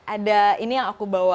ada ini yang aku bawa